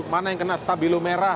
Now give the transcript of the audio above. mana yang kena stabilo merah